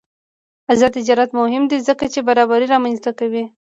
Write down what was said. آزاد تجارت مهم دی ځکه چې برابري رامنځته کوي.